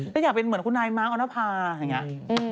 ฉันอยากเป็นเหมือนคุณนายมาร์คออนเตอร์ฟาร์อย่างนี้